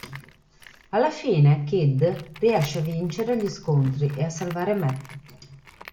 Alla fine, Kid riesce a vincere gli scontri e a salvare Meat.